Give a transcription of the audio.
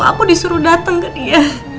aku disuruh datang ke dia